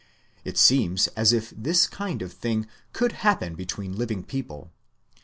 It seems as if this kind of thing could happen between living people.